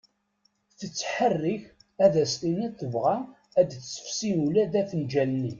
Tetherrik ad as-tiniḍ tebɣa ad tessefsi ula d afenǧal-nni.